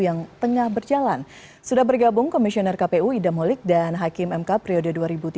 yang tengah berjalan sudah bergabung komisioner kpu idam holik dan hakim mk priode dua ribu tiga dua ribu delapan